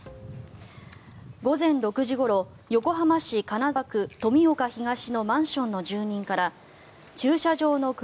午前６時ごろ横浜市金沢区富岡東のマンションの住人から駐車場の車